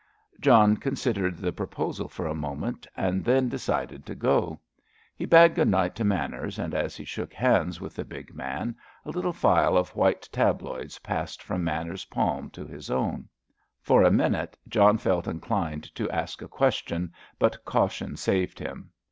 John considered the proposal for a moment, and then decided to go. He bade good night to Manners, and as he shook hands with the big man, a little phial of white tabloids passed from Manners's palm to his own. For a minute John felt inclined to ask a question, but caution saved him.